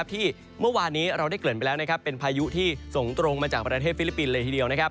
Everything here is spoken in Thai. ที่เมื่อวานนี้เราได้เกิดไปแล้วเป็นพายุที่ส่งตรงมาจากประเทศฟิลิปปินส์เลยทีเดียว